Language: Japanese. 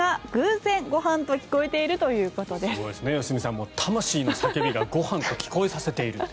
すごいですね、良純さん魂の叫びがご飯と聞こえさせている。